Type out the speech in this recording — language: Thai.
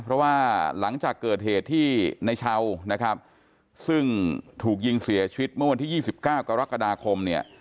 เพราะว่าหลังจากเกิดเหตุที่ในเช้านะครับซึ่งถูกยิงเสียชีวิตเมื่อวันที่๒๙กรกฎาคมเนี่ย